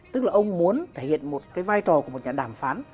tức là ông muốn thể hiện một cái vai trò của một nhà đàm phán